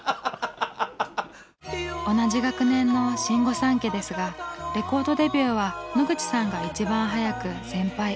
同じ学年の新御三家ですがレコードデビューは野口さんが一番早く先輩。